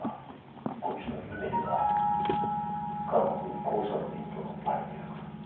こっちの李明は韓国工作員とのパイプ役。